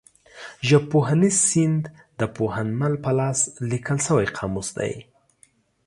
ژبپوهنیز سیند د پوهنمل په لاس لیکل شوی قاموس دی.